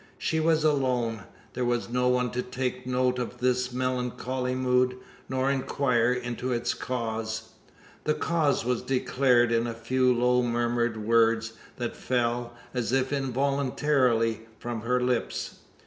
She was alone. There was no one to take note of this melancholy mood, nor inquire into its cause. The cause was declared in a few low murmured words, that fell, as if involuntarily, from her lips.